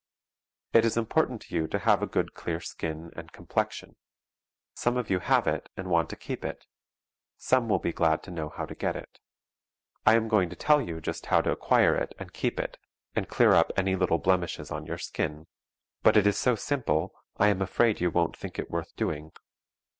It is important to you to have a good clear skin and complexion. Some of you have it, and you want to keep it; some will be glad to know how to get it. I am going to tell you just how to acquire it and keep it, and clear up any little blemishes on your skin, but it is so simple I am afraid you won't think it worth doing.